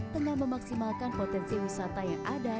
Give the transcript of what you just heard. tengah memaksimalkan potensi wisata yang ada